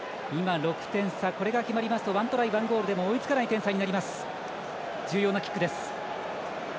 これが決まると１トライ１ゴールでも追いつかない点差になります。